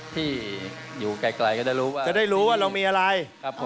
ที่อยู่ไกลก็จะได้รู้ว่าเรามีอะไร